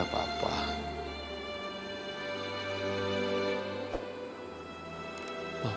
ada apamu pata